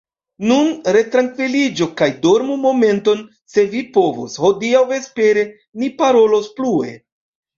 Nun retrankviliĝu kaj dormu momenton, se vi povos, hodiaŭ vespere ni parolos plue.